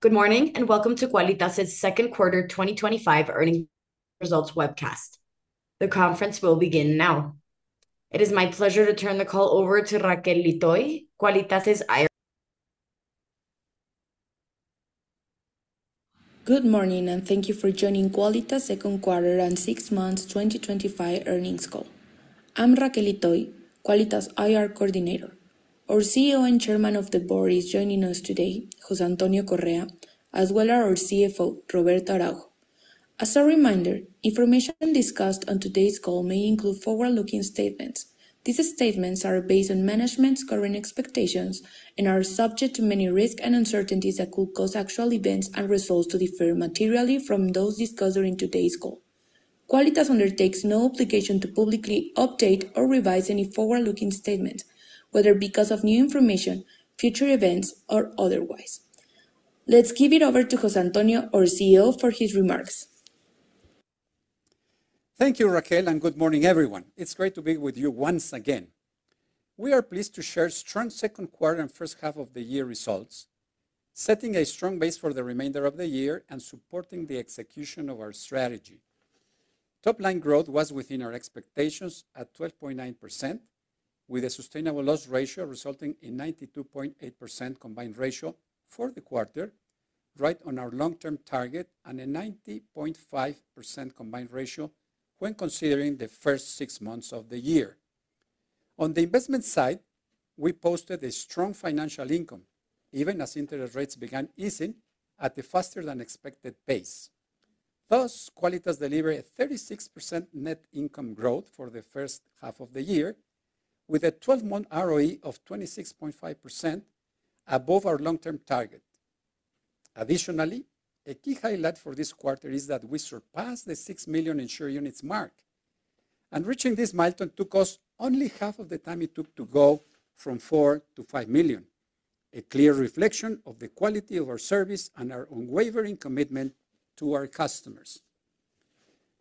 Good morning and welcome to Qualitas quarter 2025 earnings results webcast. The conference will begin now. It is my pleasure to turn the call over to Raquel Leetoy, Qualitas. Good. Morning and thank you for joining Qualitas second quarter and six months 2025 earnings call. I'm Raquel Leetoy, Qualitas IR Coordinator. Our CEO and Chairman of the Board is joining us today, José Antonio Correa, as well as our CFO Roberto Araujo. As a reminder, information discussed on today's call may include forward-looking statements. These statements are based on management's current expectations and are subject to many risks and uncertainties that could cause actual events and results to differ materially from those discussed during today's call. Qualitas no obligation to publicly update or revise any forward-looking statements, whether because of new information, future events, or otherwise. Let's give it over to José Antonio, our CEO, for his remarks. Thank you, Raquel, and good morning, everyone. It's great to be with you. Once again, we are pleased to share strong second quarter and first half of the year results, setting a strong base for the remainder of the year and supporting the execution of our strategy. Top-line growth was within our expectations and at 12.9% with a sustainable loss ratio resulting in a 92.8% combined ratio for the quarter, right on our long-term target, and a 90.5% combined ratio when considering the first six months of the year. On the investment side, we posted a strong financial income even as interest rates began easing at a faster than expected pace. Thus, Qualitas delivered a 36% net income growth for the first half of the year with a 12-month ROE of 26.5%, above our long-term target. Additionally, a key highlight for this quarter is that we surpassed the 6 million insured units mark, and reaching this milestone took us only half of the time it took to go from 4 to 5 million, a clear reflection of the quality of our service and our unwavering commitment to our customers.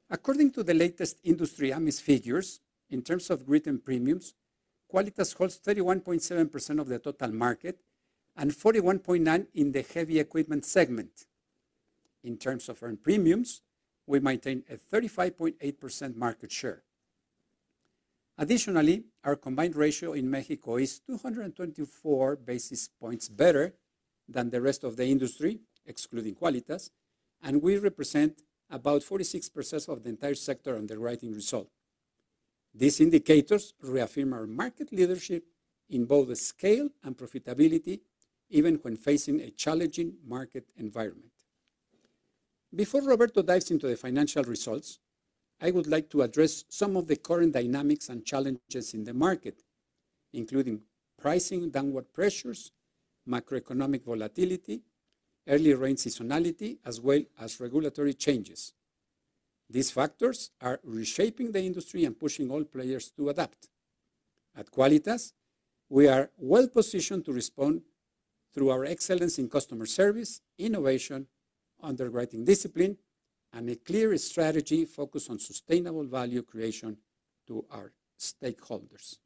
According to the latest industry AMIS figures, in terms of written premiums, Qualitas holds 31.7% of the total market and 41.9% in the heavy equipment segment. In terms of earned premiums, we maintain a 35.8% market share. Additionally, our combined ratio in Mexico is 224 basis points better than the rest of the industry excluding Qualitas, and we represent about 46% of the entire sector underwriting result. These indicators reaffirm our market leadership in both scale and profitability, even when facing a challenging market environment. Before Roberto dives into the financial results, I would like to address some of the current dynamics and challenges in the market, including pricing, downward pressures, macroeconomic volatility, early rain seasonality, as well as regulatory changes. These factors are reshaping the industry and pushing all players to adapt. At Qualitas, we are well positioned to respond through our excellence in customer service, innovation, underwriting discipline, and a clear strategy focused on sustainable value creation to our stakeholders.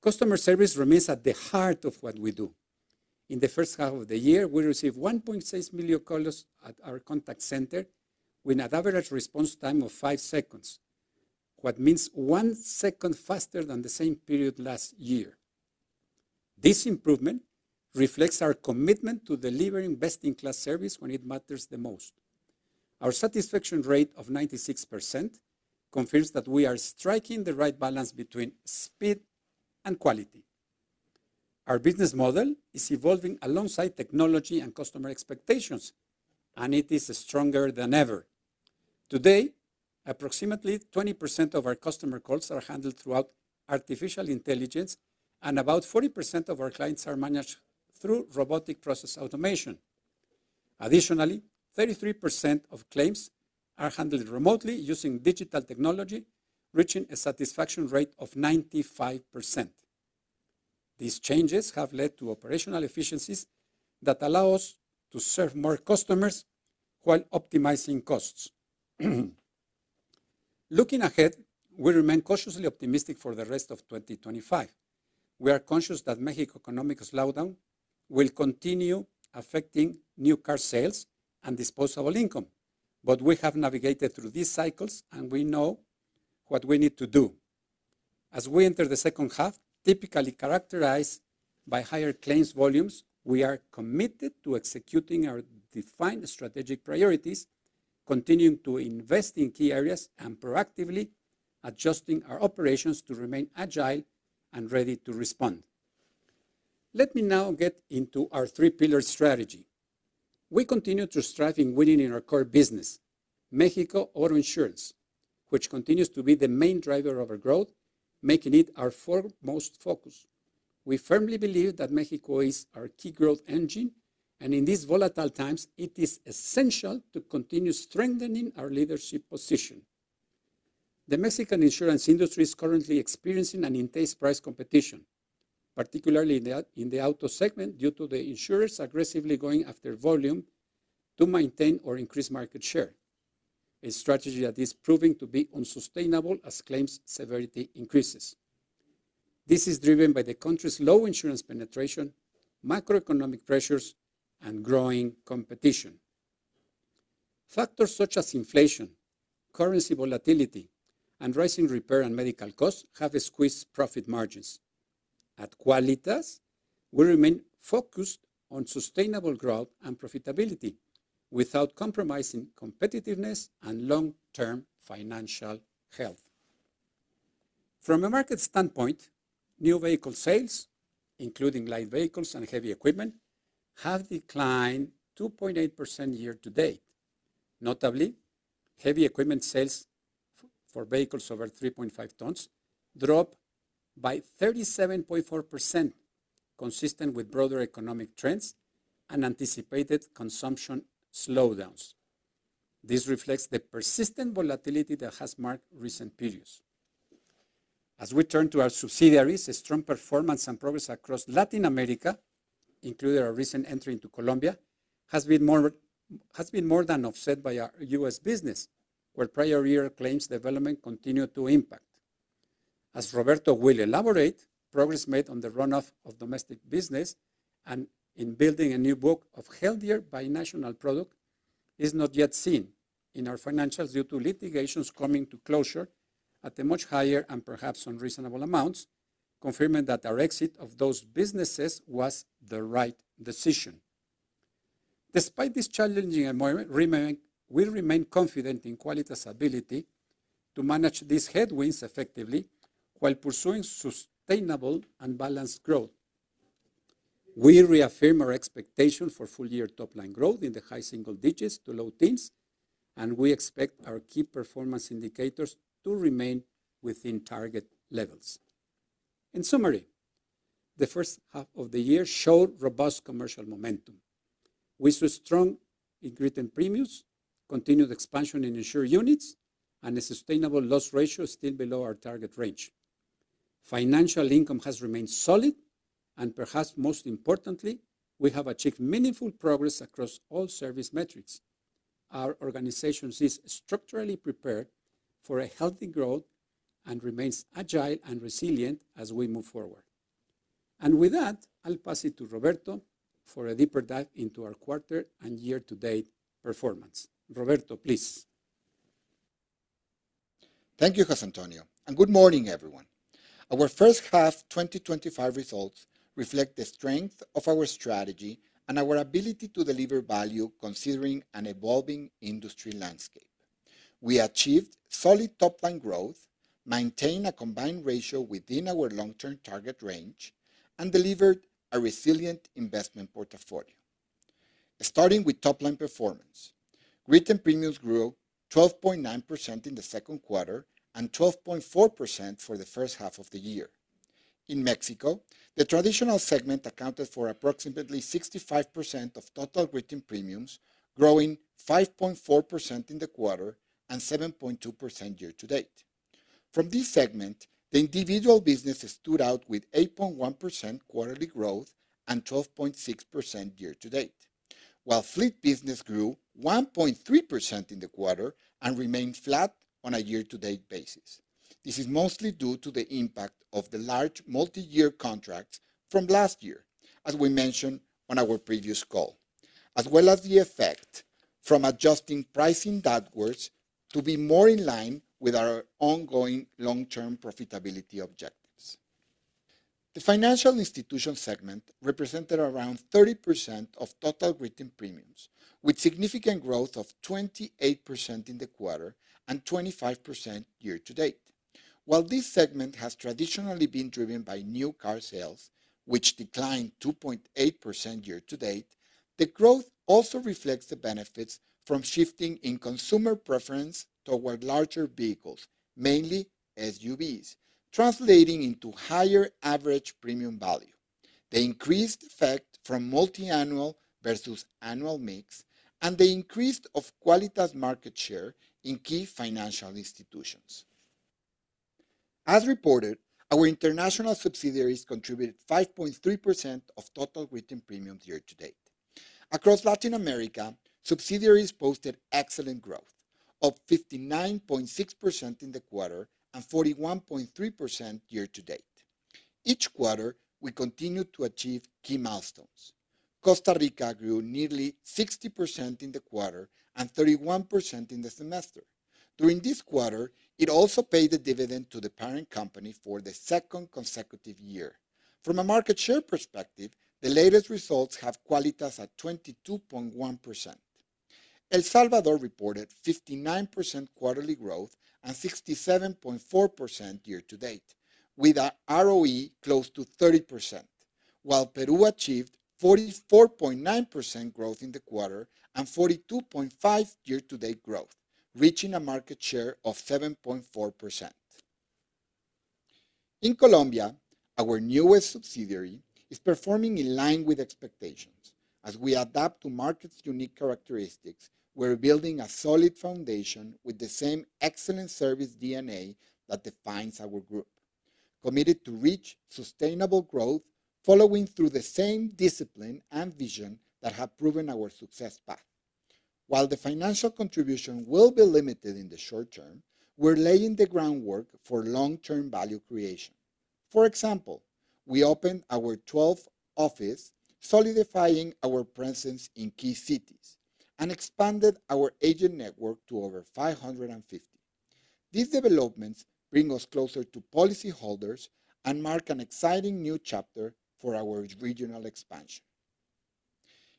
Customer service remains at the heart of what we do. In the first half of the year, we received 1.6 million callers at our contact center with an average response time of 5 seconds, which means 1 second faster than the same period last year. This improvement reflects our commitment to delivering best-in-class service when it matters the most. Our satisfaction rate of 96% confirms that we are striking the right balance between speed and quality. Our business model is evolving alongside technology and customer expectations, and it is stronger than ever. Today, approximately 20% of our customer calls are handled through artificial intelligence, and about 40% of our clients are managed through robotic process automation. Additionally, 33% of claims are handled remotely using digital technology, reaching a satisfaction rate of 95%. These changes have led to operational efficiencies that allow us to serve more customers while optimizing costs. Looking ahead, we remain cautiously optimistic for the rest of 2025. We are conscious that Mexico's economic slowdown will continue affecting new car sales and disposable income, but we have navigated through these cycles and we know what we need to do as we enter the second half, typically characterized by higher claims volumes. We are committed to executing our defined strategic priorities, continuing to invest in key areas, and proactively adjusting our operations to remain agile and ready to respond. Let me now get into our three pillar strategy. We continue to strive in winning in our core business, Mexico auto insurance, which continues to be the main driver of our growth, making it our foremost focus. We firmly believe that Mexico is our key growth engine, and in these volatile times it is essential to continue strengthening our leadership position. The Mexican insurance industry is currently experiencing intense price competition, particularly in the auto segment, due to insurers aggressively going after volume to maintain or increase market share, a strategy that is proving to be unsustainable as claims severity increases. This is driven by the country's low insurance penetration, macroeconomic pressures, and growing competition. Factors such as inflation, currency volatility, and rising repair and medical costs have squeezed profit margins. At Qualitas, we remain focused on sustainable growth and profitability without compromising competitiveness and long-term financial health. From a market standpoint, new vehicle sales including light vehicles and heavy equipment have declined 2.8% year-to-date. Notably, heavy equipment sales for vehicles over 3.5 tons dropped by 37.4%, consistent with broader economic trends and anticipated consumption slowdowns. This reflects the persistent volatility that has marked recent periods. As we turn to our subsidiaries, strong performance and progress across Latin America, including our recent entry into Colombia, has been more than offset by our U.S. business where prior year claims development continue to impact. As Roberto will elaborate, progress made on the runoff of domestic business and in building a new book of healthier binational products is not yet seen in our financials due to litigations coming to closure at the much higher and perhaps unreasonable amounts, confirming that our exit of those businesses was the right decision. Despite this challenging environment, we remain confident in Qualitas' ability to manage these headwinds effectively while pursuing sustainable and balanced growth. We reaffirmed our expectations for full year top-line growth in the high single digits to low teens and we expect our key performance indicators to remain within target levels. In summary, the first half of the year showed robust commercial momentum. We saw strong growth in written premiums, continued expansion in insured units, and a sustainable loss ratio still below our target range. Financial income has remained solid and perhaps most importantly, we have achieved meaningful progress across all service metrics. Our organization is structurally prepared for healthy growth and remains agile and resilient as we move forward. I'll pass it to Roberto for a deeper dive into our quarter and year-to-date performance. Roberto, please. Thank you, José Antonio, and good morning, everyone. Our first half 2025 results reflect the strength of our strategy and our ability to deliver value considering an evolving industry landscape. We achieved solid top-line growth, maintained a combined ratio within our long-term target range, and delivered a resilient investment portfolio. Starting with top-line performance, written premiums grew 12.9% in the second quarter and 12.4% for the first half of the year. In Mexico, the traditional segment accounted for approximately 65% of total written premiums, growing 5.4% in the quarter and 7.2% year-to-date. From this segment, the individual business stood out with 8.1% quarterly growth and 12.6% year-to-date, while fleet business grew 1.3% in the quarter and remained flat on a year-to-date basis. This is mostly due to the impact of the large multi-year contracts from last year, as we mentioned on our previous call, as well as the effect from adjusting pricing downwards to be more in line with our ongoing long-term profitability objectives. The financial institutions segment represented around 30% of total written premiums, with significant growth of 28% in the quarter and 25% year-to-date. While this segment has traditionally been driven by new car sales, which declined 2.8% year-to-date, the growth also reflects the benefits from shifting in consumer preference toward larger vehicles, mainly SUVs, translating into higher average premium value, the increased effect from multiannual versus annual mix, and the increase of Qualitas' market share in key financial institutions. As reported, our international subsidiaries contributed 5.3% of total written premiums year-to-date. Across Latin America, subsidiaries posted excellent growth, up 59.6% in the quarter and 41.3% year-to-date. Each quarter, we continue to achieve key milestones. Costa Rica grew nearly 60% in the quarter and 31% in the semester. During this quarter, it also paid the dividend to the parent company for the second consecutive year. From a market share perspective, the latest results have Qualitas at 22.1%. El Salvador reported 59% quarterly growth and 67.4% year-to-date, with ROE close to 30%, while Peru achieved 44.9% growth in the quarter and 42.5% year-to-date, growth reaching a market share of 7.4%. In Colombia, our newest subsidiary is performing in line with expectations as we adapt to the market's unique characteristics. We're building a solid foundation with the same excellent service DNA that defines our group. Committed to rich, sustainable growth, following through the same discipline and vision that have proven our success path. While the financial contribution will be limited in the short term, we're laying the groundwork for long-term value creation. For example, we opened our 12th office, solidifying our presence in key cities and expanded our agent network to over 550. These developments bring us closer to policyholders and mark an exciting new chapter for our regional expansion.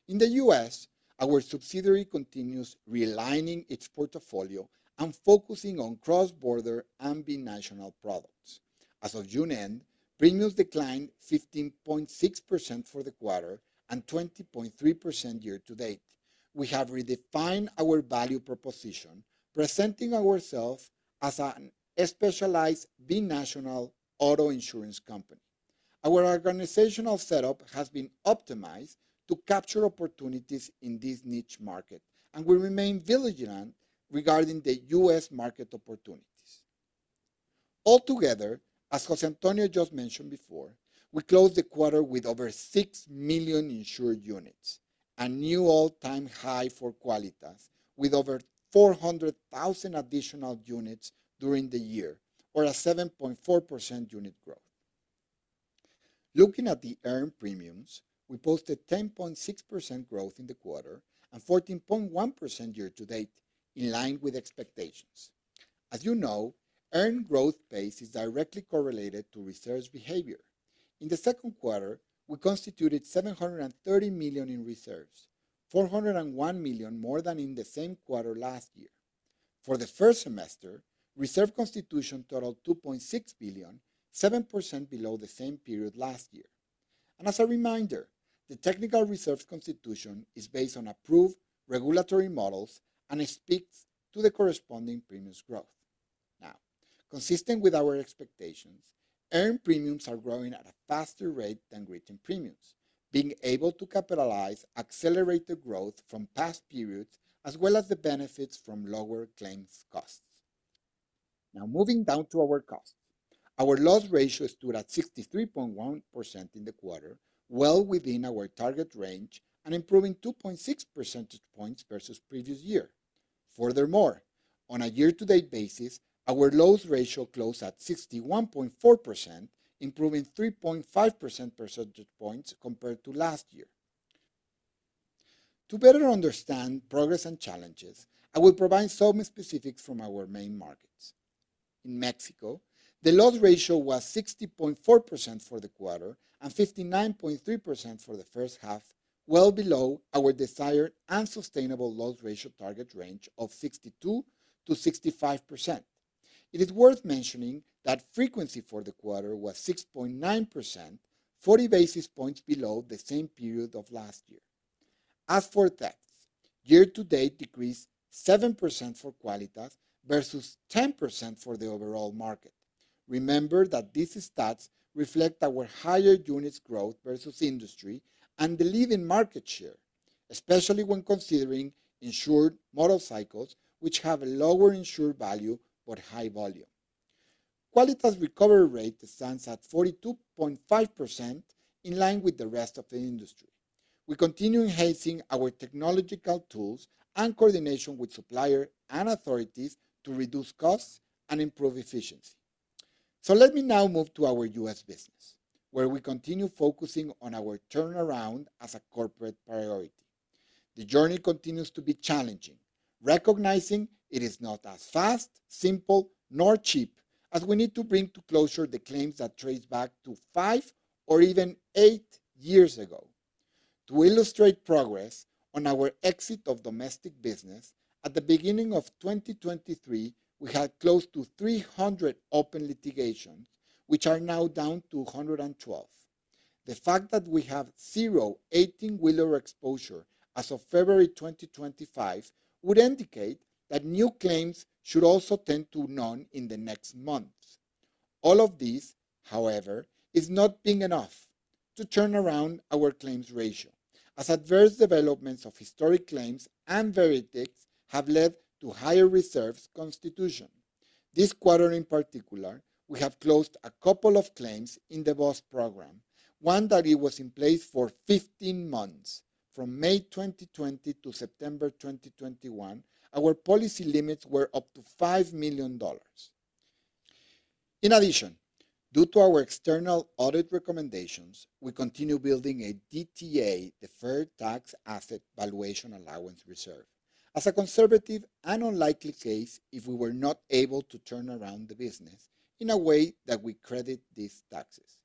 In the U.S., our subsidiary continues realigning its portfolio and focusing on cross-border and binational products. As of June end, premiums declined 15.6% for the quarter and 20.3% year-to-date. We have redefined our value proposition, presenting ourselves as a specialized binational auto insurance company. Our organizational setup has been optimized to capture opportunities in this niche market, and we remain vigilant regarding the U.S. market opportunity altogether. As José Antonio just mentioned before, we closed the quarter with over 6 million insured units, a new all-time high for Qualitas, with over 400,000 additional units during the year or a 7.4% unit growth. Looking at the earned premiums, we posted 10.6% growth in the quarter and 14.1% year-to- date, in line with expectations. As you know, earned growth pace is directly correlated to reserve behavior. In the second quarter, we constituted $730 million in reserves, $401 million more than in the same quarter last year. For the first semester, reserve constitution totaled $2.6 billion, 7% below the same period last year. As a reminder, the technical reserve constitution is based on approved regulatory models and speaks to the corresponding premiums growth. Now, consistent with our expectations, earned premiums are growing at a faster rate than written premiums, being able to capitalize accelerated growth from past periods as well as the benefits from lower claims costs. Now, moving down to our costs, our loss ratio stood at 63.1% in the quarter, well within our target range and improving 2.6 percentage points versus previous year. Furthermore, on a year-to-date basis, our loss ratio closed at 61.4%, improving 3.5 percentage points compared to last year. To better understand progress and challenges, I will provide some specifics from our main markets. In Mexico, the loss ratio was 60.4% for the quarter and 59.3% for the first half, well below our desired and sustainable loss ratio target range of 62% to 65%. It is worth mentioning that frequency for the quarter was 6.9%, 40 basis points below the same period of last year. As for thefts, year-to-date decreased 7% for Qualitas versus 10% for the overall market. Remember that these stats reflect our higher units growth versus industry and the leading market share, especially when considering insured motorcycles which have a lower insured value but high volume for Qualitas. Recovery rate stands at 42.5% in line with the rest of the industry. We continue enhancing our technological tools and coordination with suppliers and authorities to reduce costs and improve efficiency. Let me now move to our U.S. business where we continue focusing on our turnaround as a corporate priority. The journey continues to be challenging, recognizing it is not as fast, simple nor cheap as we need to bring to closure the claims that trace back to five or even eight years ago. To illustrate progress on our exit of domestic business, at the beginning of 2023 we had close to 300 open litigations which are now down to 112. The fact that we have zero 18-wheeler exposure as of February 2025 would indicate that new claims should also tend to none in the next months. All of this, however, is not being enough to turn around our claims ratio as adverse developments of historic claims and verdicts have led to higher reserves constitution. This quarter in particular, we have closed a couple of claims in the bus program, one that was in place for 15 months from May 2020 to September 2021. Our policy limits were up to $5 million. In addition, due to our external audit recommendations, we continue building a DTA Deferred Tax Asset Valuation Allowance reserve as a conservative and unlikely case if we were not able to turn around the business in a way that we credit these taxes.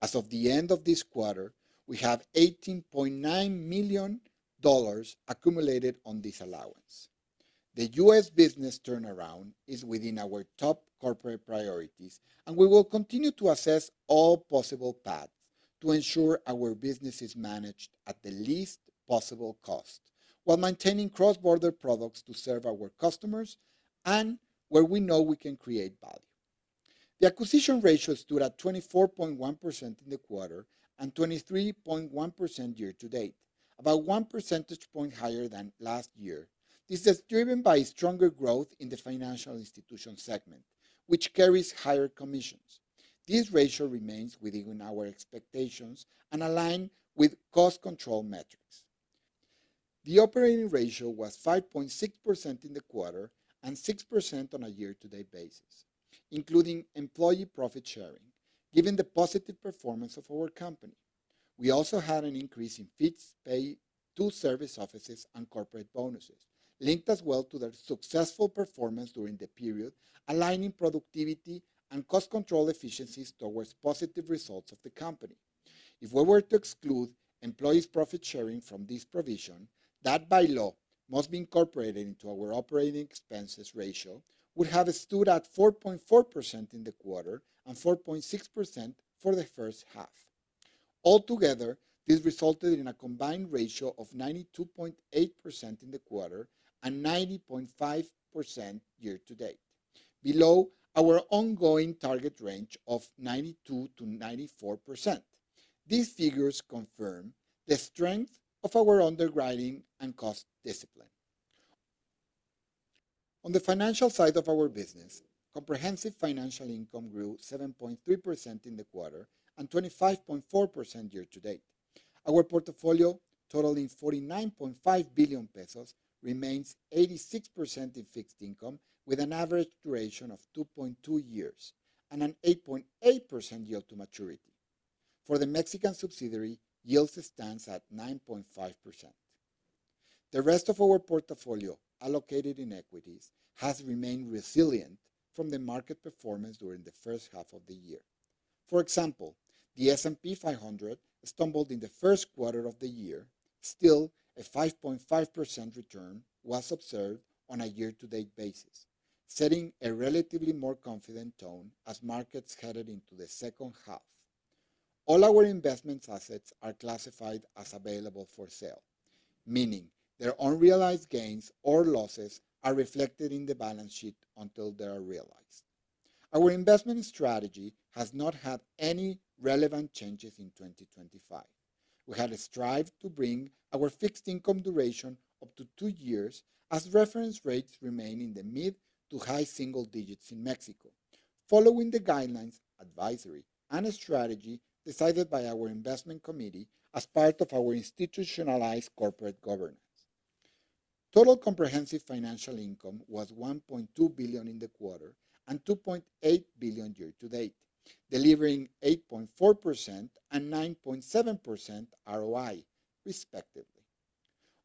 As of the end of this quarter, we have $18.9 million accumulated on this allowance. The U.S. business turnaround is within our top corporate priorities and we will continue to assess all possible paths to ensure our business is managed at the least possible cost while maintaining cross-border products to serve our customers and where we know we can create value. The acquisition ratio stood at 24.1% in the quarter and 23.1% year-to-date, about 1 percentage point higher than last year. This is driven by stronger growth in the financial institutions segment which carries higher commissions. This ratio remains within our expectations and aligns with cost control metrics. The operating ratio was 5.6% in the quarter and 6% on a year-to-date basis including employee profit sharing. Given the positive performance of our company, we also had an increase in fee pay tool service offices and corporate bonuses linked as well to their successful performance during the period, aligning productivity and cost control efficiencies towards positive results of the company. If we were to exclude employees' profit sharing from this provision that by law must be incorporated into our operating expenses, the ratio would have stood at 4.4% in the quarter and 4.6% for the first half. Altogether, this resulted in a combined ratio of 92.8% in the quarter and 90.5% year-to-date, below our ongoing target range of 92% to 94%. These figures confirm the strength of our underwriting and cost discipline on the financial side of our business. Comprehensive financial income grew 7.3% in the quarter and 25.4% year-to-date. Our portfolio totaling $49.5 billion pesos remains 86% in fixed income with an average duration of 2.2 years and an 8.8% yield to maturity. For the Mexican subsidiary, yield stands at 9.5%. The rest of our portfolio allocated in equities has remained resilient from the market performance during the first half of the year. For example, the S&P 500 stumbled in the first quarter of the year. Still, a 5.5% return was observed on a year-to-date basis, setting a relatively more confident tone as markets headed into the second half. All our investment assets are classified as available for sale, meaning their unrealized gains or losses are reflected in the balance sheet until they are realized. Our investment strategy has not had any relevant changes in 2025. We had strived to bring our fixed income duration up to two years as reference rates remain in the mid to high single digits in Mexico following the guidelines, advisory, and strategy decided by our investment committee as part of our institutionalized corporate governance. Total comprehensive financial income was $1.2 billion in the quarter and $2.8 billion year-to-date, delivering 8.4% and 9.7% ROE respectively.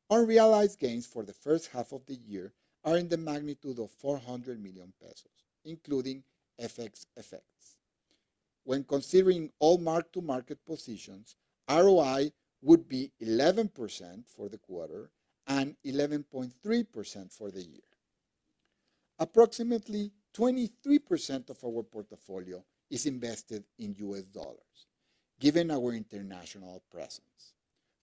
Unrealized gains for the first half of the year are in the magnitude of $400 million pesos including FX effects. When considering all mark to market positions, ROE would be 11% for the quarter and 11.3% for the year. Approximately 23% of our portfolio is invested in US dollars given our international presence.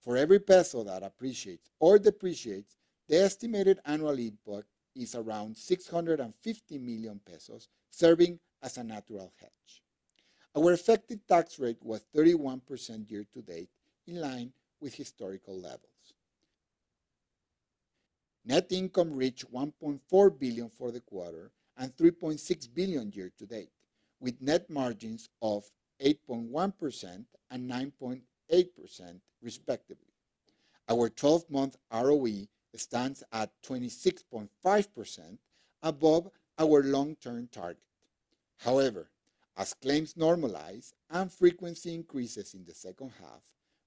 For every peso that appreciates or depreciates, the estimated annual impact is around $650 million pesos serving as a natural hedge. Our effective tax rate was 31% year-to-date in line with historical levels. Net income reached $1.4 billion for the quarter and $3.6 billion year-to-date with net margins of 8.1% and 9.8% respectively. Our 12-month ROE stands at 26.5% above our long-term target. However, as claims normalize and frequency increases in the second half,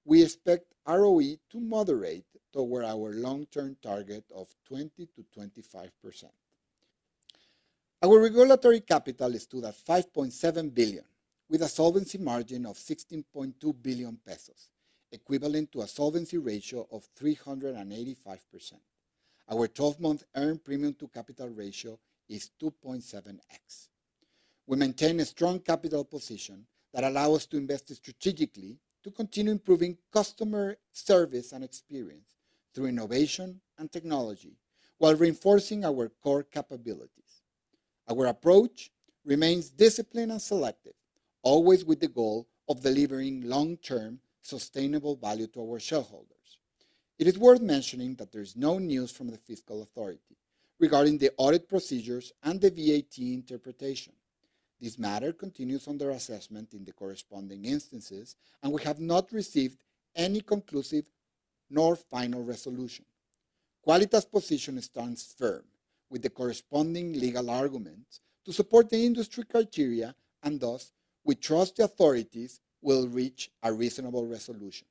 we expect ROE to moderate toward our long-term target of 20% to 25%. Our regulatory capital stood at $5.7 billion with a solvency margin of $16.2 billion pesos equivalent to a solvency ratio of 385%. Our 12-month earned premium to capital ratio is 2.7x. We maintain a strong capital position that allows us to invest strategically to continue improving customer service and experience through innovation and technology while reinforcing our core capabilities. Our approach remains disciplined and selective, always with the goal of delivering long-term sustainable value to our shareholders. It is worth mentioning that there is no news from the fiscal authority regarding the audit procedures and the VAT interpretation. This matter continues under assessment in the corresponding instances and we have not received any conclusive nor final resolution. Qualitas' position stands firm with the corresponding legal arguments to support the industry criteria and thus we trust the authorities will reach a reasonable resolution.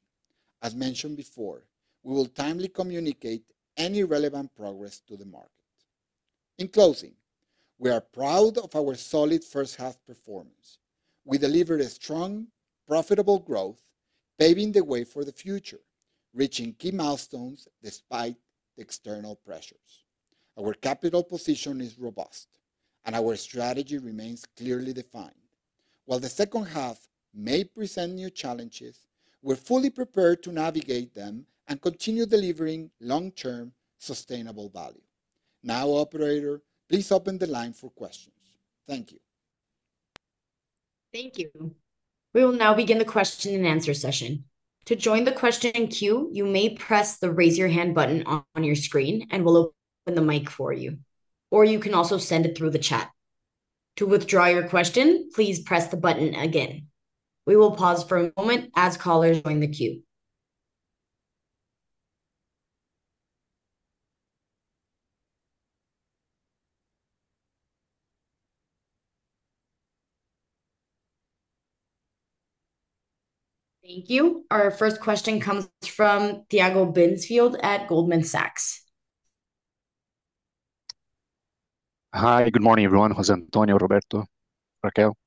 As mentioned before, we will timely communicate any relevant progress to the market. In closing, we are proud of our solid first half performance. We delivered strong profitable growth, paving the way for the future, reaching key milestones despite the external pressures. Our capital position is robust and our strategy remains clearly defined. While the second half may present new challenges, we're fully prepared to navigate them and continue delivering long-term sustainable value now. Operator, please open the line for questions. Thank you. Thank you. We will now begin the question and answer session. To join the question and queue, you may press the raise your hand button on your screen and we will open the mic for you, or you can also send it through the chat. To withdraw your question, please press the button again. We will pause for a moment as callers join the queue. Thank you. Our first question comes from Tiago Binsfeld at Goldman Sachs. Hi, good morning everyone. José Antonio, Roberto, Raquel,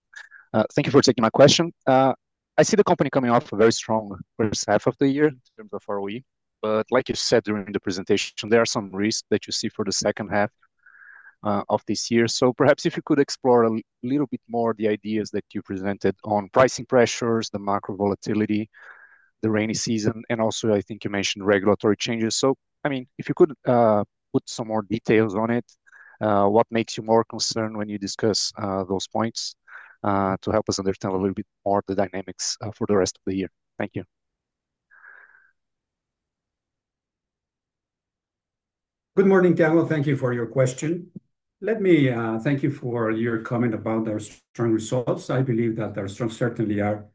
thank you for taking my question. I see the company coming off a very strong first half of the year in terms of ROE. Like you said during the presentation, there are some risks that you see for the second half of this year. Perhaps if you could explore a little bit more the ideas that you presented on pricing pressures, the macroeconomic volatility, the rainy season, and also I think you mentioned regulatory changes. If you could put some more details on it. What makes you more concerned when you discuss those points to help us understand a little bit more the dynamics for the rest of the year. Thank you. Good morning. Tiago, thank you for your question. Let me thank you for your comment about our strong results. I believe that our results certainly are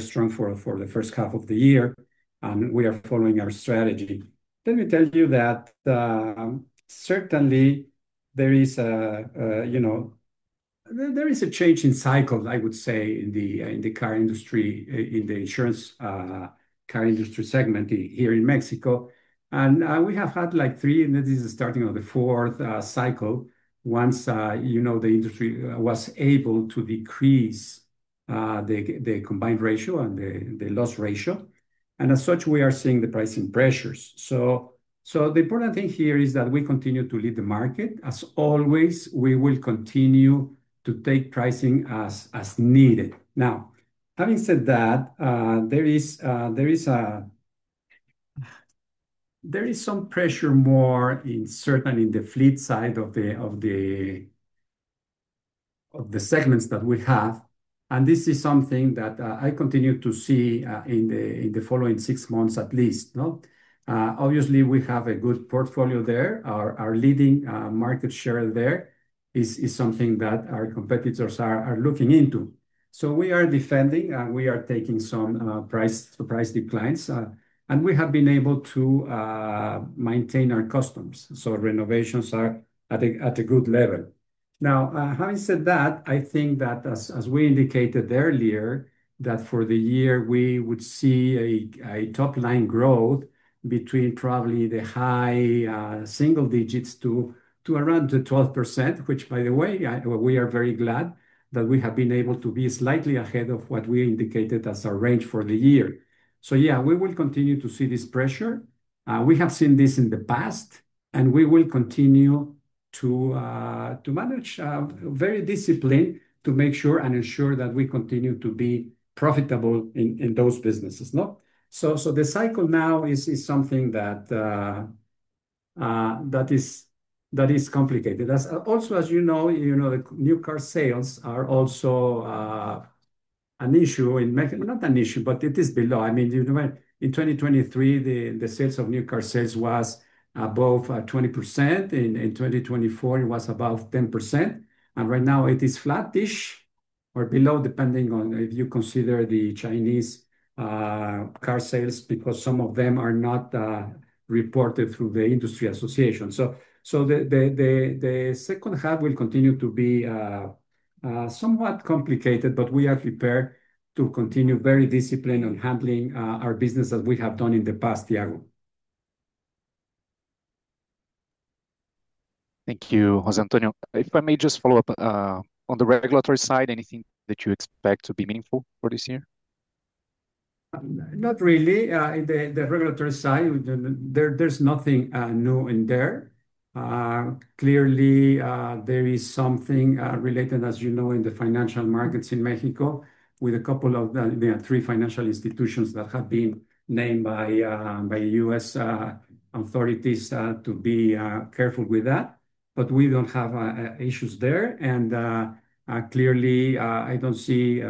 strong for the first half of the year and we are following our strategy. Let me tell you that certainly there is a change in cycle, I would say, in the car industry, in the insurance car industry segment here in Mexico and we have had like three and this is the starting of the fourth cycle. Once the industry was able to decrease the combined ratio and the loss ratio and as such we are seeing the pricing pressures. The important thing here is that we continue to lead the market as always, we will continue to take pricing as needed. Now, having said that, there is some pressure more in certain, in the fleet side of the segments that we have and this is something that I continue to see in the following six months at least. Obviously, we have a good portfolio. There are leading market share. There is something that our competitors are looking into. We are defending and we are taking some price declines and we have been able to maintain our customers. Renovations are at a good level. Now, having said that, I think that as we indicated earlier that for the year we would see a top-line growth between probably the high-single digits to around 12%, which, by the way, we are very glad that we have been able to be slightly ahead of what we indicated as a range for the year. We will continue to see this pressure. We have seen this in the past and we will continue to manage very disciplined to make sure and ensure that we continue to be profitable in those businesses. The cycle now is something that is complicated as also, as you know, the new car sales are also an issue in making. Not an issue, but it is below. In 2023, the sales of new car sales was above 20%, in 2024 it was above 10% and right now it is flatish or below depending on if you consider the Chinese car sales because some of them are not reported through the industry association. The second half will continue to be somewhat complicated, but we are prepared to continue very disciplined on handling our business as we have done in the past year. Thank you, José Antonio. If I may just follow up on the regulatory side, anything that you expect to be meaningful for this year? Not really in the regulatory side. There's nothing new in there. Clearly there is something related, as you know, in the financial markets in Mexico with a couple of the three financial institutions that have been named by U.S. authorities to be careful with that. We don't have issues there. Clearly I don't see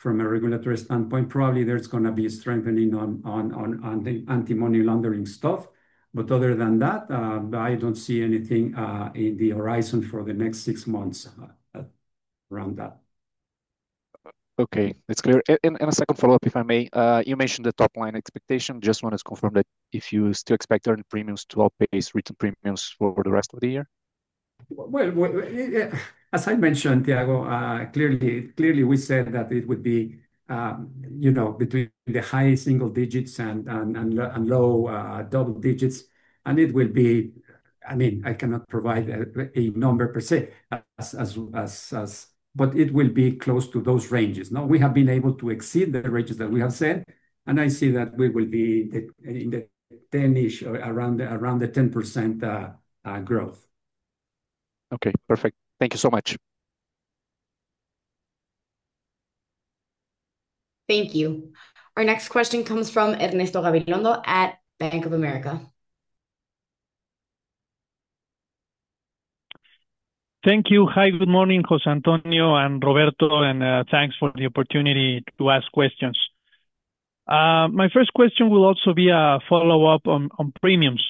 from a regulatory standpoint, probably there's going to be strengthening on anti-money laundering stuff, but other than that I don't see anything in the horizon for the next six months around that. Okay, that's clear. A second follow up, if I may. You mentioned the top-line expectation. Just want to confirm that if you still expect earned premiums to outpace written premiums for the rest of the year. As I mentioned, Tiago, clearly we said that it would be between the high single digits and low double digits, and it will be, I mean I cannot provide a number per se, but it will be close to those ranges. We have been able to exceed the ranges that we have said, and I see that we will be in the 10%ish, around the 10% growth. Okay, perfect. Thank you so much. Thank you. Our next question comes from Ernesto Gabilondo at Bank of America. Thank you. Hi, good morning. José Antonio and Roberto, and thanks for the opportunity to ask questions. My first question will also be a follow-up on premiums.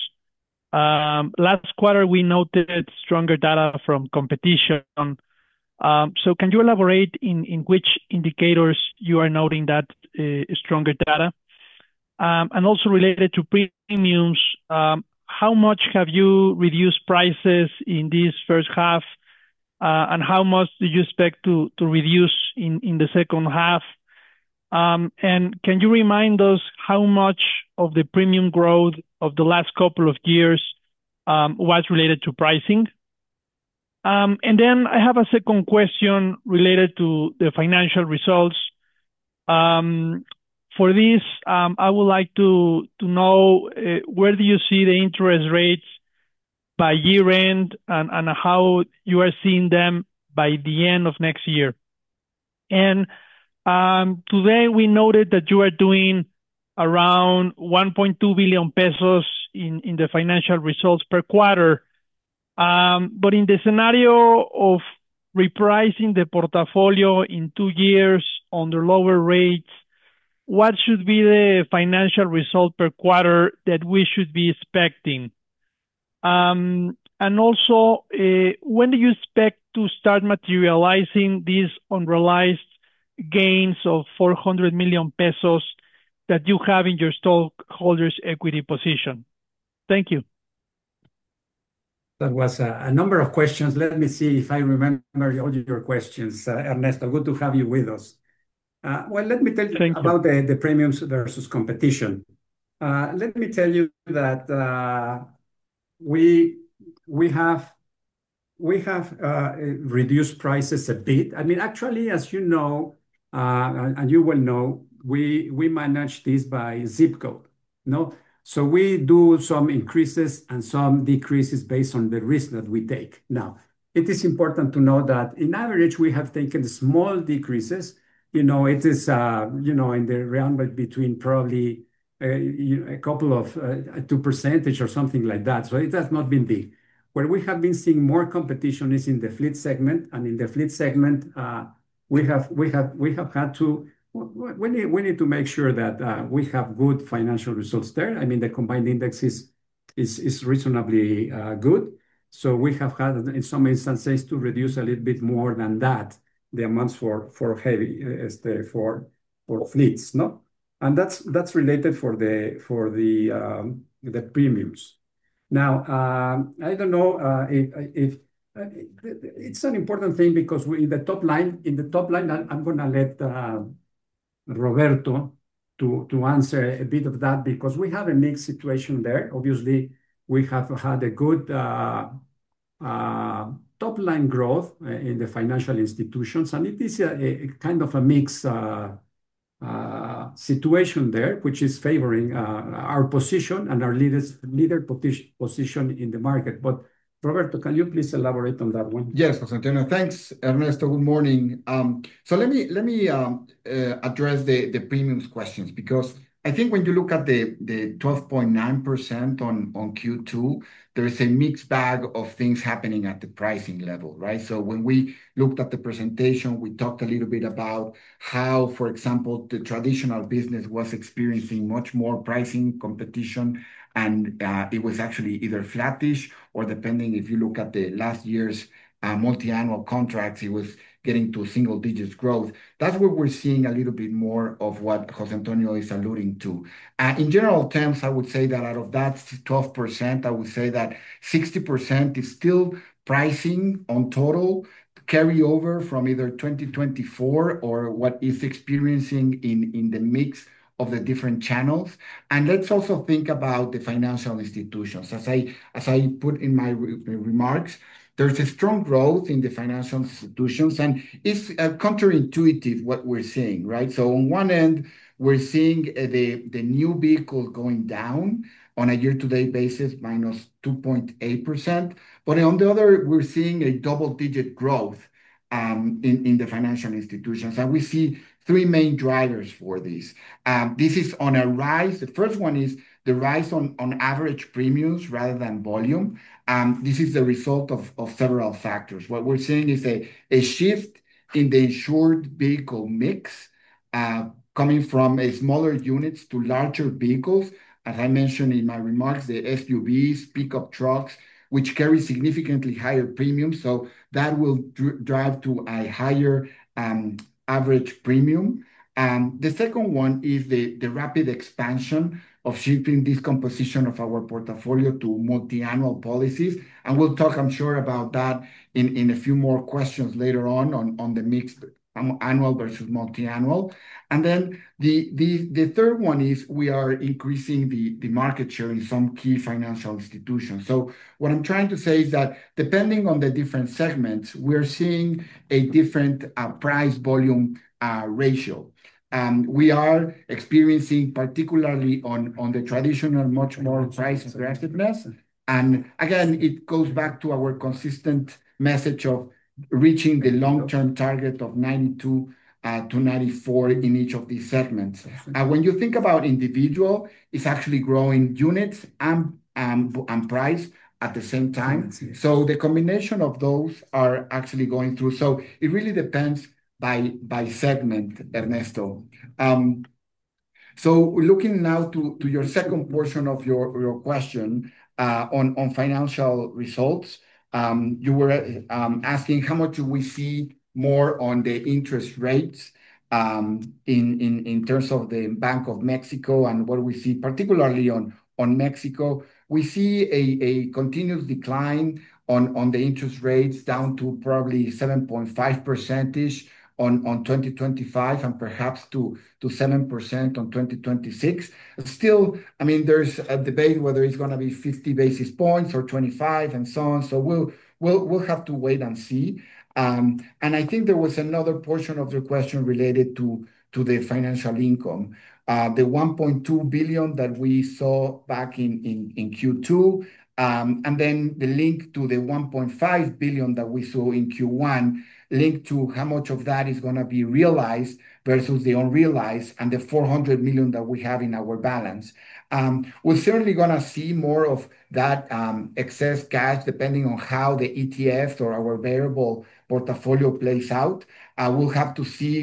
Last quarter we noted stronger data from competition. Can you elaborate in which indicators you are noting that stronger data, and also related to premiums, how much have you reduced prices in this first half and how much do you expect to reduce in the second half? Can you remind us how much of the premium growth of the last couple of years was related to pricing? I have a second question related to the financial results. For this, I would like to know where do you see the interest rates by year end and how you are seeing them by the end of next year. Today we noted that you are doing around $1.2 billion pesos in the financial results per quarter. In the scenario of repricing the portfolio in two years under lower rates, what should be the financial result per quarter that we should be expecting? Also, when do you expect to start materializing these unrealized gains of $400 million pesos that you have in your stockholders' equity position? Thank you. That was a number of questions. Let me see if I remember all your questions. Ernesto, good to have you with us. Let me tell you. Thank you. About the premiums versus competition. Let me tell you that. We have reduced prices a bit. As you know, we manage this by zip code, so we do some increases and some decreases based on the risk that we take. Now it is important to note that on average we have taken small decreases. It is in the realm between probably a couple of 2% or something like that. It has not been big. Where we have been seeing more competition. Is in the fleet segment. In the fleet segment, we have had to make sure that we have good financial results there. I mean, the combined ratio is reasonably good. We have had, in some instances, to reduce a little bit more than that the amounts for fleets, and that's related to the premiums. Now, I don't know if it's an. Important thing because in the top line. In the top line, I'm going to let Roberto answer a bit of that because we have a mixed situation there. Obviously, we have had a good. Top. Line growth in the financial institutions, and it is a kind of a mix situation there which is favoring our position and our leader position in the market. Roberto, can you please elaborate on that one? Yes. Thanks, Ernesto. Good morning. Let me address the premiums questions. Because I think when you look at it. The 12.9% on Q2, there is a mixed bag of things happening at the pricing level. When we looked at the presentation, we talked a little bit about how, for example, the traditional business was experiencing much more pricing competition and it was actually either flattish or depending. If you look at last year's multiannual contracts, it was getting to single digits growth. That's where we're seeing a little bit more of what José Antonio is alluding to in general terms. I would say that out of that 12%, I would say that 60% is still pricing on total carryover from either 2024 or what is experiencing in the mix of the different channels. Let's also think about the financial institutions. As I put in my remarks, there's a strong growth in the financial institutions and it's counterintuitive. What we're seeing on one end, we're seeing the new vehicle going down on a year-to-date basis, minus 2.8%. On the other, we're seeing a double digit in the financial institutions. We see three main drivers for this. This is on a rise. The first one is the rise on average premiums rather than volume. This is the result of several factors. What we're seeing is a shift in the insured vehicle mix coming from smaller units to larger vehicles. As I mentioned in my remarks, the SUVs, pickup trucks, which carry significantly higher premiums, that will drive to a average premium. The second one is the rapid expansion of shipping, this composition of our portfolio to multiannual policies. We'll talk, I'm sure, about that in a few more questions later on, the mixed annual versus multiannual. The third one is we are increasing the market share in some key financial institutions. What I'm trying to say is that depending on the different segments, we are seeing a different price volume ratio. We are experiencing, particularly on the traditional, much more price aggressiveness. It goes back to our consistent message of reaching the long-term target of 92% to 94% in each of these segments. When you think about individual, it is actually growing units and price at the same time. The combination of those are actually going through. It really depends on by segment, Ernesto. Looking now to your second portion of your question on financial results. You were asking how much do we see more on the interest rates in terms of the Banco de México? What we see particularly in Mexico, we see a continuous decline in the interest rates down to probably 7.5% in 2025 and perhaps to 7% in 2026. There is still a debate whether it's going to be 50 basis points or 25 and so on. We will have to wait and see. I think there was another portion of your question related to the financial income. The $1.2 billion that we saw back in Q2 and then the link to the $1.5 billion that we saw in Q1 linked to how much of that is going to be realized versus the unrealized. The $400 million that we have in our balance, we're certainly going to see more of that excess cash depending on how the ETFs or our variable portfolio plays out. We will have to see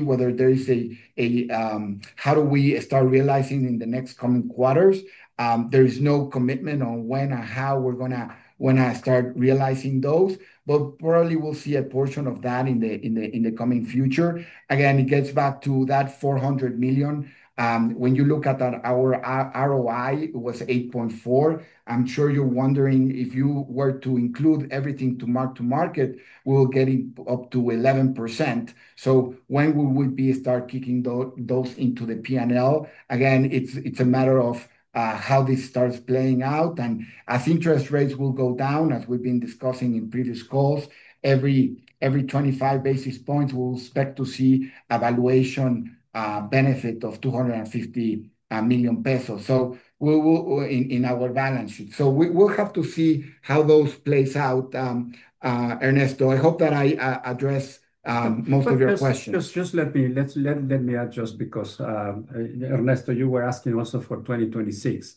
how we start realizing in the next coming quarters. There is no commitment on when or how we're going to start realizing those, but probably we'll see a portion of that in the coming future. Again, it gets back to that $400 million when you look at our ROE was 8.4%. I'm sure you're wondering if you were to include everything to mark to market, we were getting up to 11%. When would we start kicking those into the P&L? Again, it's a matter of how this starts playing out. As interest rates go down, as we've been discussing in previous calls, every 25 basis points we expect to see a valuation benefit of $250 million pesos in our balance sheet. We will have to see how those play out. Ernesto, I hope that I address most of your questions. Just let me adjust because Ernesto, you were asking also for 2026.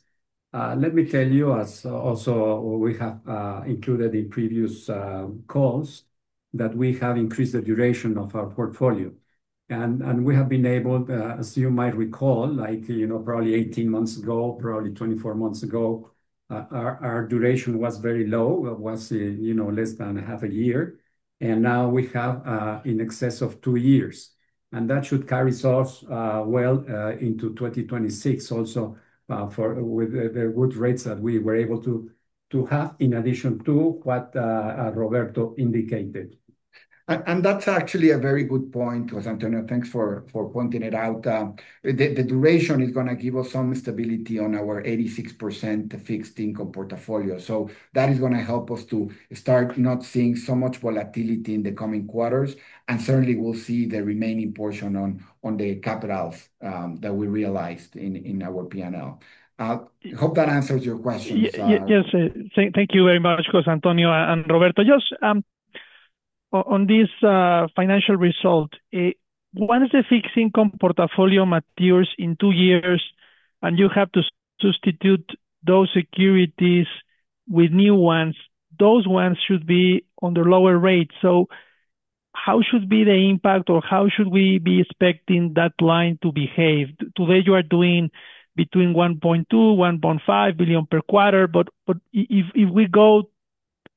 Let me tell you, as also we have included in previous calls, that we have increased the duration of our portfolio and we have been able, as you might recall, probably 18 months ago, probably 24 months ago, our duration was very low, was less than half a year, and now we have in excess of two years and that should carry us well into 2026. Also, with the good rates that we were able to have in addition to what Roberto indicated, and that's. Actually a very good point, José Antonio, thanks for pointing it out. The duration is going to give us some stability on our 86% fixed income portfolio. That is going to help us to start not seeing so much volatility in the coming quarters, and certainly we'll see the remaining portion on the capitals that we realized in our P&L. Hope that answers your question. Yes, thank you very much. Because José Antonio and Roberto, just on this financial result, once the fixed income portfolio matures in two years and you have to substitute those securities with new ones, those ones should be on the lower rate. How should be the impact or how should we be expecting that line to behave? Today you are doing between $1.2 billion, $1.5 billion per quarter. If we go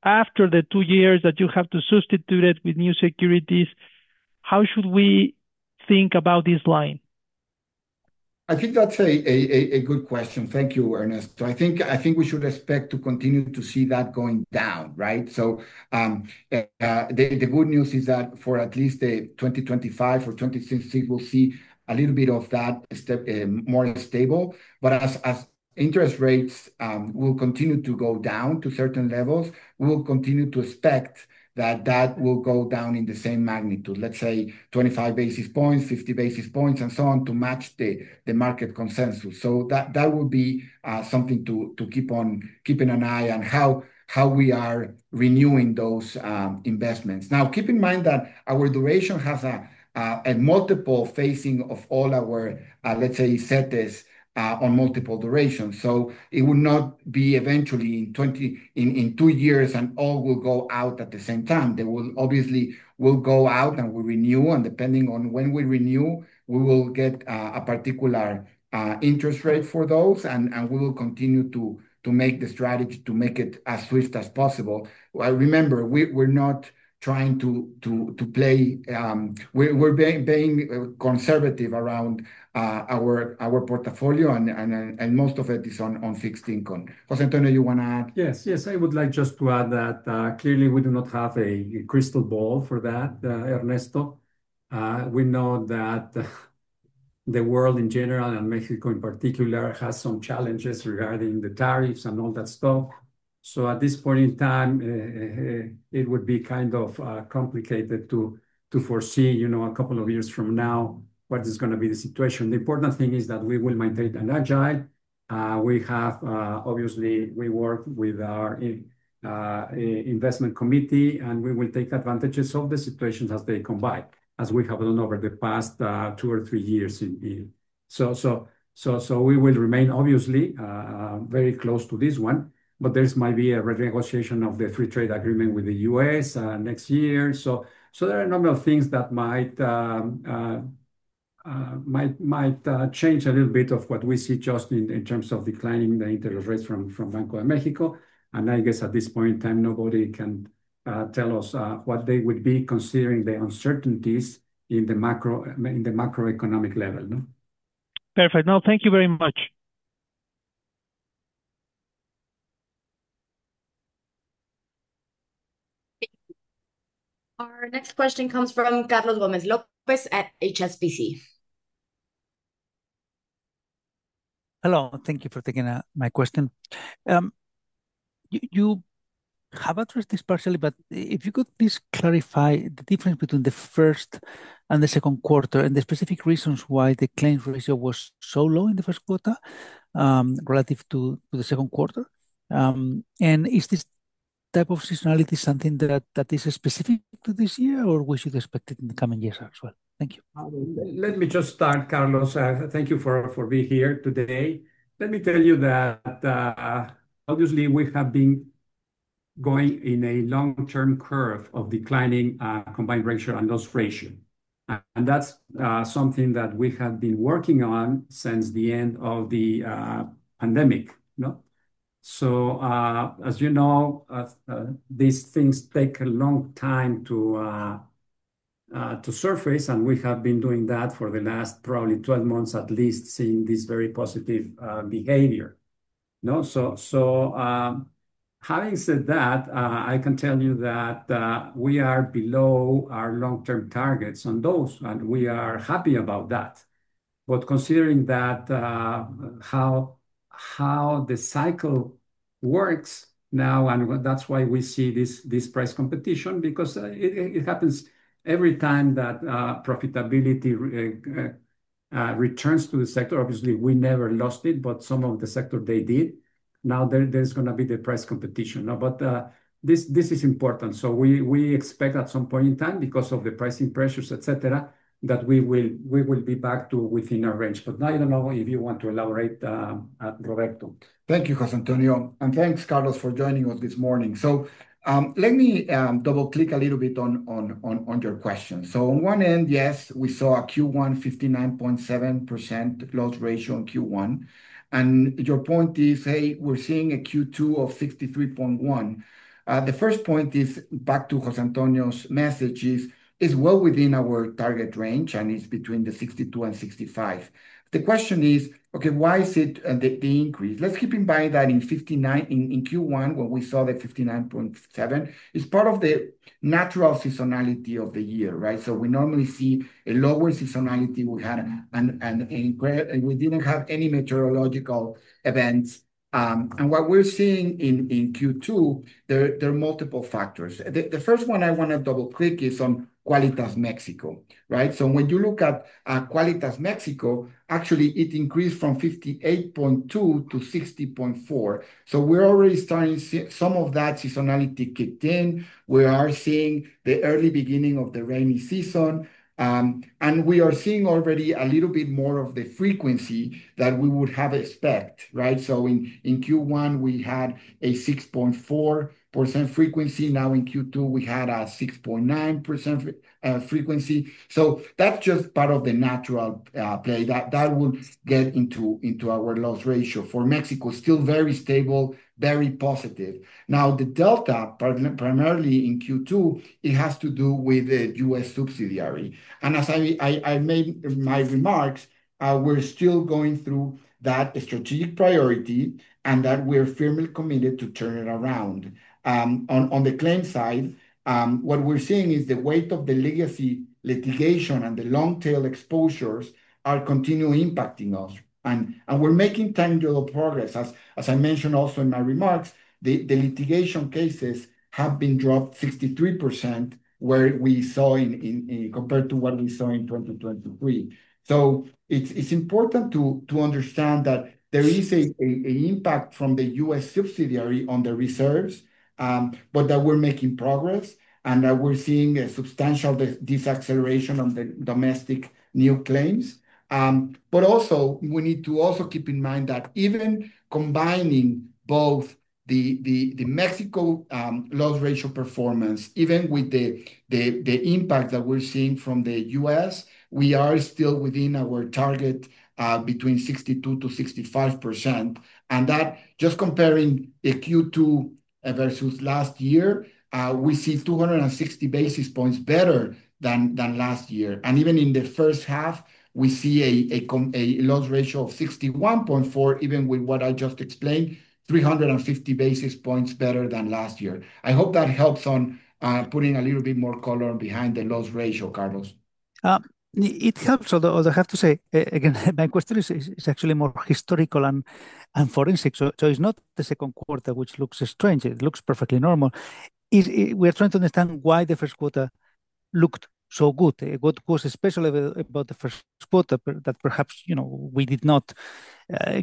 after the two years that you have to substitute it with new securities, how should we think about this line? I think that's a good question. Thank you, Ernesto. I think we should expect to continue to see that going down. The good news is that for at least 2025 or 2026, we'll see a little bit of that step more stable. As interest rates will continue to go down to certain levels, we'll continue to expect that will go down in the same magnitude, let's say 25 basis points, 50 basis points, and so on to match the market consensus. That would be something to keep an eye on, how we are renewing those investments. Now keep in mind that our duration has a multiple phasing of all our, let's say, on multiple durations. It would not be eventually in two years and all will go out at the same time. They will obviously go out and we renew, and depending on when we renew, we will get a particular interest rate for those. We will continue to make the strategy to make it as swift as possible. Remember, we're not trying to play, we're being conservative around our portfolio and most of it is on fixed income. Jose, you want to add. Yes, yes, I would like just to add that clearly we do not have a crystal ball for that. Ernesto, we know that the world in general and Mexico in particular has some challenges regarding the tariffs and all that stuff. At this point in time it would be kind of complicated to foresee a couple of years from now what is going to be the situation. The important thing is that we will maintain an agile. We have obviously we work with our investment committee and we will take advantages of the situations as they come by, as we have done over the past two or three years, so we will remain obviously very. Close to this one. There might be a renegotiation of the free trade agreement with the U.S. next year. There are a number of things that might change a little bit of what we see just in terms of declining the interest rates Banco de México. I guess at this point in time, nobody can tell us what they would be considering the uncertainties in the macroeconomic level. Perfect. Thank you very much. Our next question comes from Carlos Gomez Lopez at HSBC. Hello. Thank you for taking my question. You have addressed this partially, but if you could please clarify the difference between the first and the second quarter, and the specific reasons why the claims ratio was so low in the first quarter relative to the second quarter. Is this type of seasonality something that is specific to this year or should we expect it in the coming years as well? Thank you. Let me just start. Carlos, thank you for being here today. Let me tell you that obviously we have been going in a long-term curve of declining combined ratio and loss ratio, and that's something that we have been working on since the end of the pandemic. As you know, these things take a long time to surface, and we have been doing that for the last probably 12 months at least, seeing this very positive behavior. Having said that, I can tell you that we are below our long-term targets on those, and we are happy about that. Considering how the cycle works now, that's why we see this price competition, because it happens every time that profitability returns to the sector. Obviously, we never lost it, but some of the sector did. Now, there's going to be the price competition, but this is important. We expect at some point in time, because of the pricing pressures, etc., that we will be back to within our range. Now, I don't know if you want to elaborate, Roberto. Thank you José Antonio and thanks Carlos. for joining us this morning. Let me double click a little bit on your question. On one end, yes, we saw a Q1 59.7% loss ratio in Q1, and your point is, hey, we're seeing a Q2 of 63.1%. The first point is back to Jose. Antonio's message is well within our target range and it's between the 62 and 65. The question is okay, why is it the increase? Let's keep in mind that in Q1 when we saw the 59.7, it's part of the natural seasonality of the year, right. We normally see a lower seasonality. We didn't have any meteorological events. What we're seeing in Q2, there are multiple factors. The first one I want to double click is on Qualitas México. When you look at Qualitas México, actually it increased from 58.2 to 60.4. We're already starting some of that seasonality kicked in. We are seeing the early beginning of the rainy season and we are seeing. Already a little bit more of the. Frequency that we would have expected. In Q1 we had a 6.4% frequency. Now in Q2 we had a 6.9% frequency. That's just part of the natural play that will get into our loss ratio for Mexico. Still very stable, very positive. The delta primarily in Q2 has to do with the U.S. subsidiary. As I made my remarks, we're still going through that strategic priority and we are firmly committed to turn it around. On the claim side, what we're seeing. Is the weight of the legacy litigation. The long-tail exposures are continually impacting us and we're making tangible progress. As I mentioned also in my remarks, the litigation cases have been dropped 63% compared to what we saw in 2023. It's important to understand that there is an impact from the U.S. subsidiary on the reserves, but that we're making progress and that we're seeing a substantial acceleration on the domestic new claims. We need to also keep. in mind that even combining both the Mexico loss ratio performance, even with the impact that we're seeing from the U.S., we are still within our target between 60 to 65%. Just comparing Q2 versus last year, we see 260 basis points better than last year. Even in the first half, we see a loss ratio of 61.4%. Even with what I just explained, 350 basis points better than last year. I hope that helps on putting a little bit more color behind the loss ratio. Carlos. It helps. I have to say again, my question is actually more historical and forensic. It's not the second quarter which looks strange. It looks perfectly normal. We are trying to understand why the first quarter looked so good, especially about the first quarter that perhaps we did not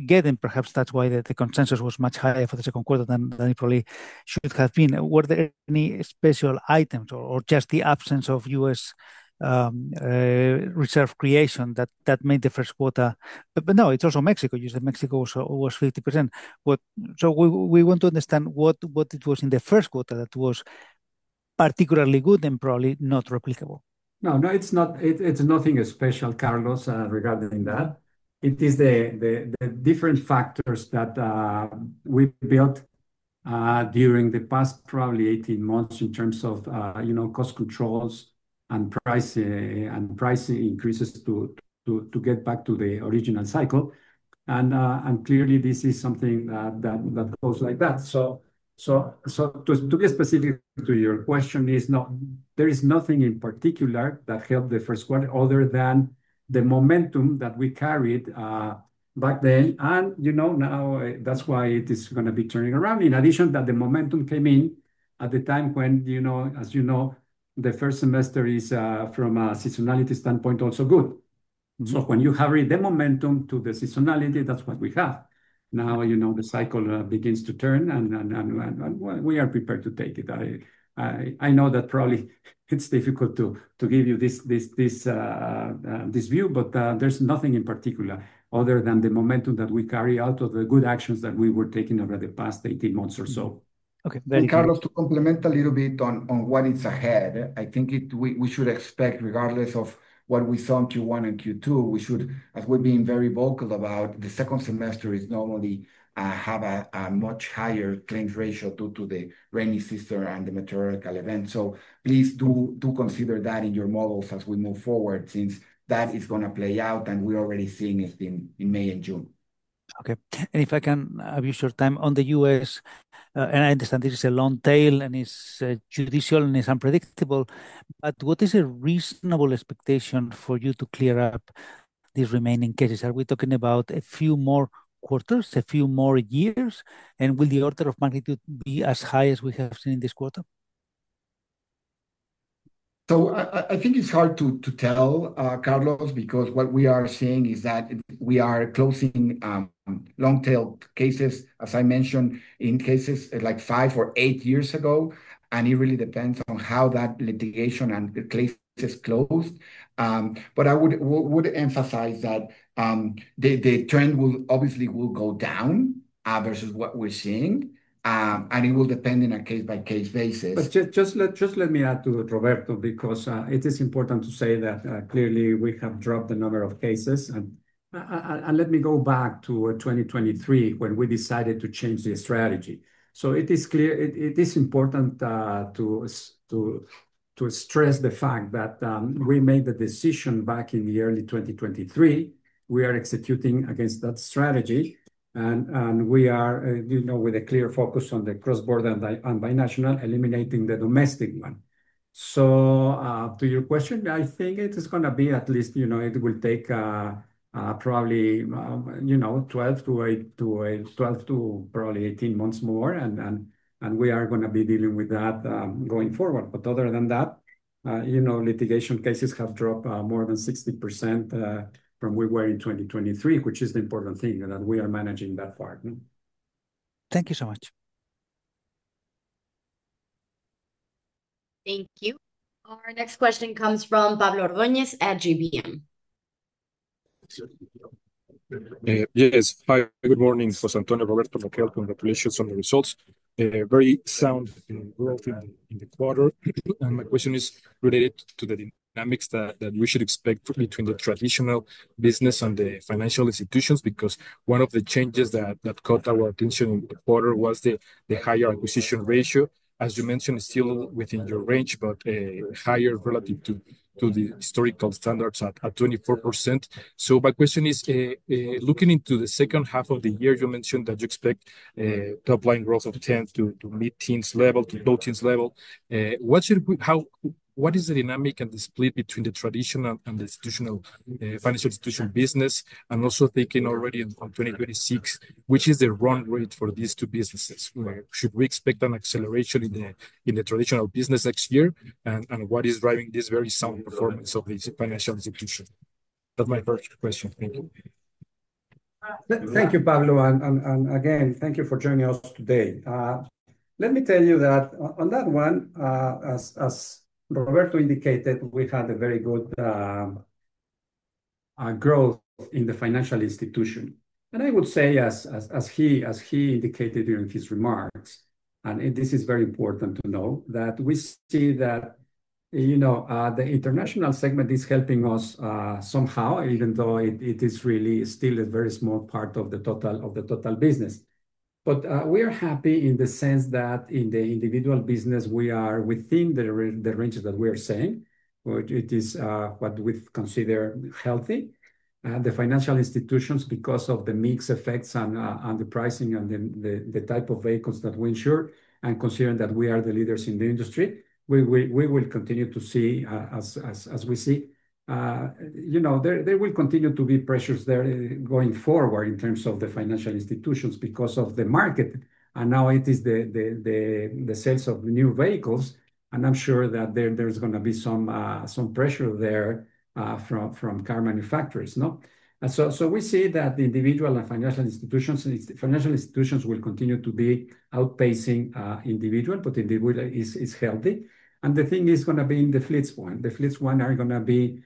get. Perhaps that's why the consensus was much higher for the second quarter than it probably should have been. Were there any special items or just the absence of U.S. reserve creation that made the first quarter. It's also Mexico. You said Mexico was 50%. We want to understand what it was in the first quarter that was particularly good and probably not replicable. No, it's nothing special, Carlos. Regarding that, it is the different factors that we built during the past probably 18 months in terms of, you know, cost controls and price and pricing increases to get back to the original cycle. Clearly, this is something that goes like that. To get specific to your question, there is nothing in particular that helped the first quarter other than the momentum that we carried back then. You know, that's why it is going to be turning around. In addition, the momentum came in at the time when, as you know, the first semester is from a seasonality standpoint also good. When you have the momentum to the seasonality, that's what we have now. The cycle begins to turn and we are prepared to take it. I know that probably it's difficult to give you this view, but there's nothing in particular other than the momentum that we carry out of the good actions that we were taking over the past 18 months or so. Okay, Carlos, to complement a little bit. On what is ahead, I think we should expect, regardless of what we saw in Q1 and Q2, we should, as we're being very vocal about, the second semester normally has a much higher claims ratio due to the rainy season and the meteorological event. Please do consider that in your models as we move forward, since that is going to play out and we're already seeing it in May and June. Okay. If I can have you short time on the U.S. I understand this is a long tail and it's judicial and it's unpredictable, but what is a reasonable expectation for you to clear up these remaining cases? Are we talking about a few more quarters, a few more years? Will the order of magnitude be as high as we have seen in this quarter? I think it's hard to tell, Carlos, because what we are seeing is that we are closing long-tail cases, as I mentioned, in cases like five or eight years ago. It really depends on how that litigation in place is closed. I would emphasize that the trend obviously will go down versus what we're seeing, and it will depend on a case-by-case basis. Just let me add to Roberto, because it is important to say that clearly we have dropped the number of cases, and let me go back to 2023 when we decided to change the strategy. It is important to stress the fact that we made the decision back in early 2023. We are executing against that strategy, and we are with a clear focus on the cross-border and binational, eliminating the domestic one. To your question, I think it is going to be at least it will take probably 12 to probably 18 months more, and we are going to be dealing with that going forward. Other than that, litigation cases have dropped more than 60% from where we were in 2023, which is the important thing that we are managing that part. Thank you so much. Thank you. Our next question comes from Pablo Nunez at GBM. Yes. Hi, good morning. José Antonio, Roberto, Raquel, congratulations on the results. Very sound growth in the quarter. My question is related to the dynamics that we should expect between the traditional business and the financial institutions because one of the changes that caught our attention in the quarter was the higher acquisition ratio as you mentioned, still within your range, but higher relative to the historical standards at 24%. My question is looking into the second half of the year, you mentioned that you expect top-line growth of 10% to mid-teens level to low-teens level. What is the dynamic and the split between the traditional and institutional financial institution business and also thinking already on 2026, which is the run rate for these two businesses, should we expect an acceleration in the traditional business next year and what is driving this very sound performance of the financial institution? That's my first question. Thank you. Thank you, Pablo. Thank you for joining us today. Let me tell you that. One, as Roberto Araujo indicated, we had a. Very good. Growth in the financial institution. As he indicated during his remarks, this is very important to know that we see that the international segment is helping us somehow, even though it is really still a very small part of the total business. We are happy in the sense. In the individual business we are within the ranges that we are saying. It is what we consider healthy. The financial institutions, because of the mix effects and the pricing and the type of vehicles that we insure, and considering that we are the leaders in the industry, we will continue to see as we see. There will continue. will be pressures there going forward in terms of the financial institutions because of the market and now it is the sales of new vehicles. I'm sure that there's going to be some pressure there from car manufacturers. We see that the individual and financial institutions, financial institutions will continue to be outpacing individual, but individual is healthy. The thing is going to be in the fleets one, the fleets one are going to be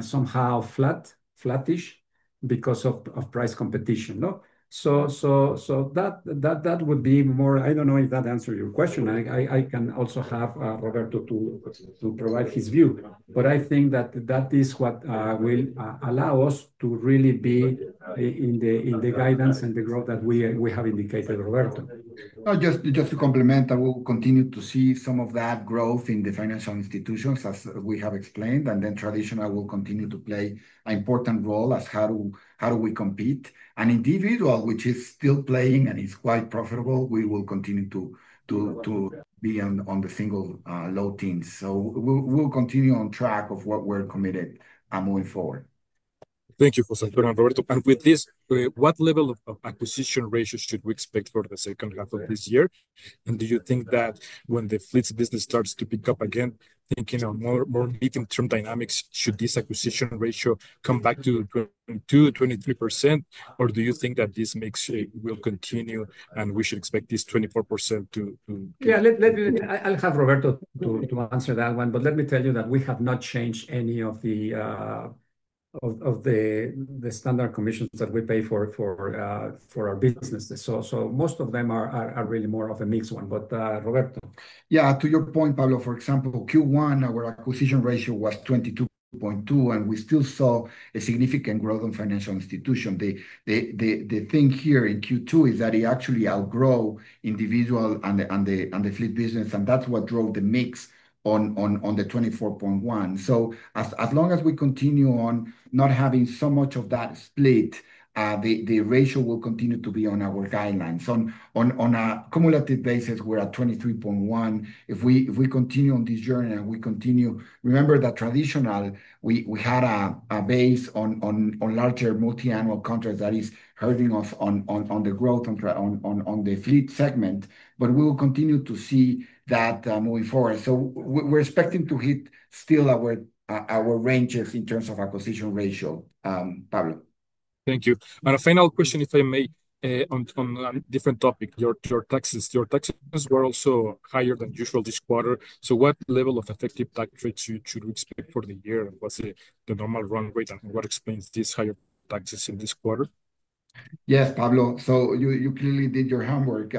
somehow flat, flattish because of price competition. That would be more. I don't know if that answers your question. I can also have Roberto to provide. His view, I think that. Is what will allow us to really be in the guidance and the growth that we have indicated. Roberto, just to complement, I will continue to see some of that growth in the financial institutions as we have explained. Traditionally, we'll continue to play an important role as how do we compete in individual, which is still playing and is quite profitable. We will continue to be on the single low teens. We'll continue on track of what we're committed moving forward. José Antonio. Roberto, with this, what level of acquisition ratio should we expect for the second half of this year? Do you think that when the fleet insurance business starts to pick up again, thinking of more medium-term dynamics, should this acquisition ratio come back to 22% or 23%, or do you think that this mix will continue and we should expect this 24% too? I'll have Roberto answer that one. Let me tell you that we have not changed any of the standard commissions that we pay for our businesses. Most of them are really more of a mixed one. Roberto. Yeah, to your point, Pablo, for example, Q1, our acquisition ratio was 22.2% and we still saw a significant growth on financial institution. The thing here in Q2 is that it actually outgrew individual and the fleet business. That's what drove the mix on the 24.1%. As long as we continue on not having so much of that split, the ratio will continue to be on our guidelines. On a cumulative basis we're at 23.1%. If we continue on this journey and we continue, remember that traditionally we had a base on larger multiannual contracts that is hurting us on the growth on the fleet segment. We will continue to see that moving forward. We're expecting to hit still our ranges in terms of acquisition ratio. Thank you. A final question, if I may, on a different topic. Your taxes were also higher than usual this quarter. What level of effective tax rates should we expect for the year? What's the normal run rate? What explains these higher taxes in this quarter? Yes, Pablo, you clearly did your homework.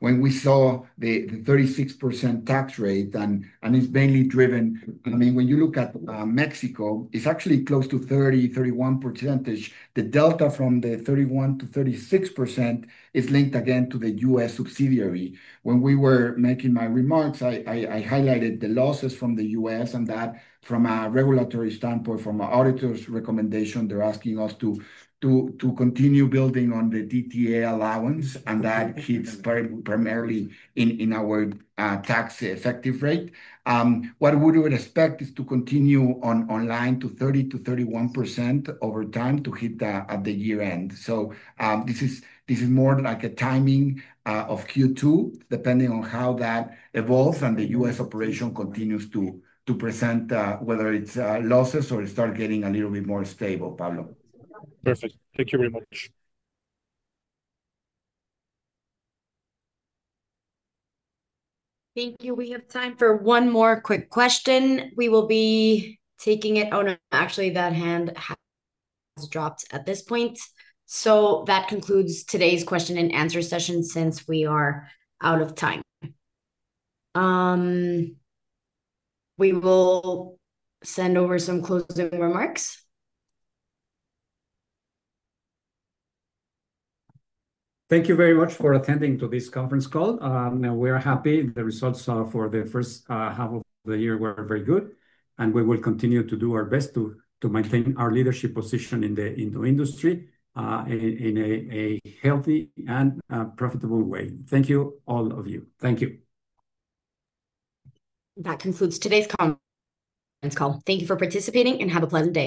When we saw the 36% tax rate, and it's mainly driven when you look at Mexico, it's actually close to 30%, 31%. The delta from the 31% to 36% is linked again to the U.S. subsidiary. When we were making my remarks, I highlighted the losses from the U.S. and that from a regulatory standpoint, from an auditor's recommendation, they're asking us to continue building on the DTA allowance and that keeps primarily in our tax effective rate. What we would expect is to continue online to 30% to 31% over time to hit at the year end. This is more like a timing of Q2, depending on how that evolves and the U.S. operation continues to present whether it's losses or start getting a little bit more stable. Pablo. Perfect. Thank you very much. Thank you. We have time for one more quick question. We will be taking it. Oh, no. Actually, that hand has dropped at this point. That concludes today's question and answer session, since we are out of time. We. Will send over some closing remarks. Thank you very much for attending this conference call. We are happy. The results for the first half of the year were very good, and we will continue to do our best to maintain our leadership position in the industry in a healthy and profitable way. Thank you, all of you. Thank you. That concludes today's call. Thank you for participating and have a pleasant day.